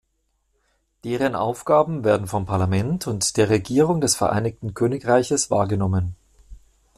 Deren Aufgaben werden vom Parlament und der Regierung des Vereinigten Königreiches wahrgenommen.